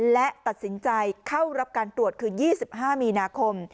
และตัดสินใจเข้ารับการตรวจคือ๒๕มีนาคม